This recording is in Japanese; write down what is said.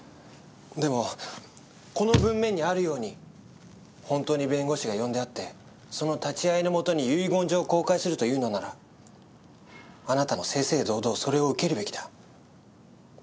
でもこの文面にあるように本当に弁護士が呼んであってその立ち会いのもとに遺言状を公開するというのならあなたも正々堂々それを受けるべきだ。